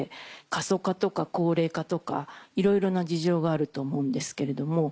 過疎化とか高齢化とかいろいろな事情があると思うんですけれども。